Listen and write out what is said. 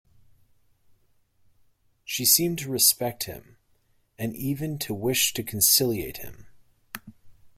She seemed to respect him and even to wish to conciliate him.